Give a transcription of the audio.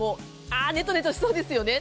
ネトネトしそうですよね。